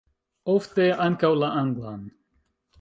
Ofte ankaŭ la anglan.